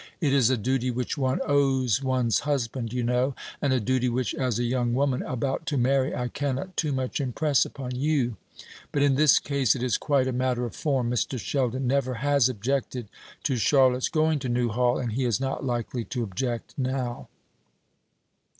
"It is a duty which one owes one's husband, you know, and a duty which, as a young woman about to marry, I cannot too much impress upon you; but in this case it is quite a matter of form: Mr. Sheldon never has objected to Charlotte's going to Newhall, and he is not likely to object now."